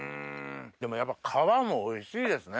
でもやっぱ皮もおいしいですね。